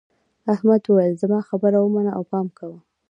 احمد وویل زما خبره ومنه او پام کوه.